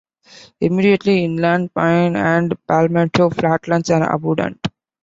Immediately inland, pine and palmetto flatlands are abundant.